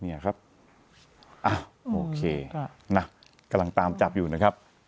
เนี้ยครับอ่างั้นระดับอยู่นะครับ